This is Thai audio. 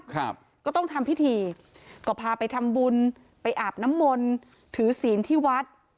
ครับก็ต้องทำพิธีก็พาไปทำบุญไปอาบน้ำมนต์ถือศีลที่วัด